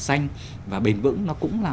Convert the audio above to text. xanh và bền vững nó cũng là